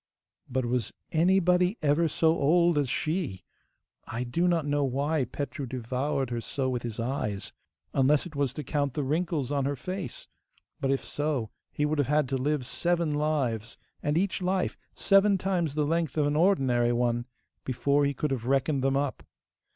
But was anybody ever so old as she! I do not know why Petru devoured her so with his eyes, unless it was to count the wrinkles on her face; but if so he would have had to live seven lives, and each life seven times the length of an ordinary one, before he could have reckoned them up.